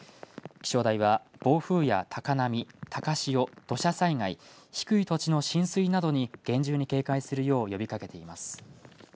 気象台は暴風や高波、高潮、土砂災害、低い土地の浸水などに厳重に警戒するよう呼びかけています。